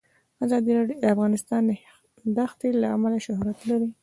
افغانستان د ښتې له امله شهرت لري.